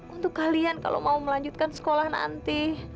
untuk kalian kalau mau melanjutkan sekolah nanti